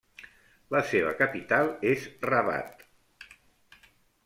La seva capital és Rabat.